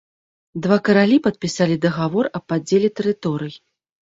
Два каралі падпісалі дагавор аб падзеле тэрыторый.